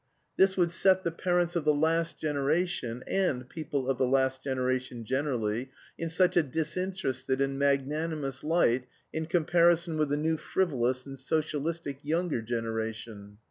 This would set the parents of the last generation and people of the last generation generally in such a disinterested and magnanimous light in comparison with the new frivolous and socialistic younger generation.